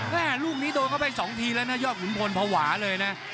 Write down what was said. แม่ลูกนี้โดนเข้าไป๒ทีแล้วนะยอดขุนพลภาวะเลยนะ